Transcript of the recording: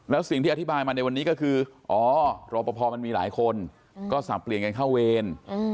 แล้วสิ่งที่อธิบายมาในวันนี้ก็คืออ๋อรอปภมันมีหลายคนก็สับเปลี่ยนกันเข้าเวร